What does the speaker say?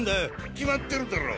決まってるだろ。